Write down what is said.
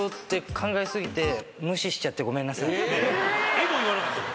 ・「えっ」も言わなかったの？